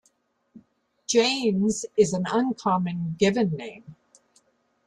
Janes is an uncommon given name.